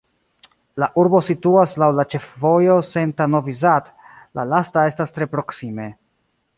La urbo situas laŭ la ĉefvojo Senta-Novi Sad, la lasta estas tre proksime.